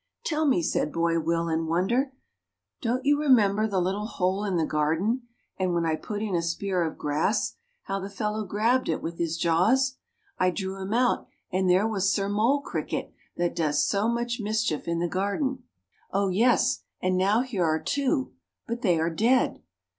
"Tell me," said Boy Will, in wonder, "don't you remember the little hole in the garden, and when I put in a spear of grass how the fellow grabbed it with his jaws? I drew him out and there was Sir Mole Cricket that does so much mischief in the garden." "Oh yes; and now here are two; but they are dead."